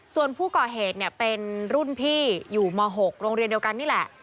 ส่วนผู้ก่อเหตุเนี่ยเป็นรุ่นพี่อยู่ม๖โรงเรียนเดียวกันนี่แหละ